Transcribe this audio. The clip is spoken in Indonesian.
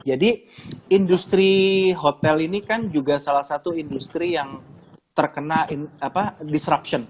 jadi industri hotel ini kan juga salah satu industri yang terkena disruption